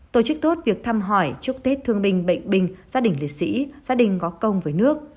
tổ chức tốt việc thăm hỏi chúc tết thương bình bệnh bình gia đình lịch sĩ gia đình có công với nước